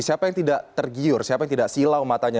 siapa yang tidak tergiur siapa yang tidak silau matanya